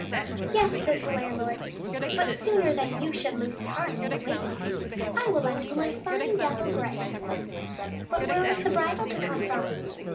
Yes," says the landlord, " but sooner than you should lose time in the waiting, I will lend you my fine dapple grey." But where was the bridle to come from